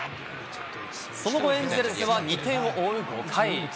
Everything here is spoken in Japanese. その後、エンゼルスは２点を追う５回。